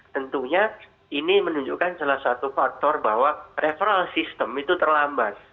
tentunya ini menunjukkan salah satu faktor bahwa referal system itu terlambat